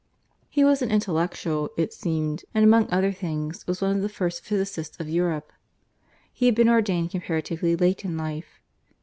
He was an "intellectual," it seemed, and, among other things, was one of the first physicists of Europe. He had been ordained comparatively late in life.